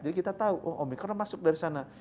jadi kita tahu oh omikron masuk dari sana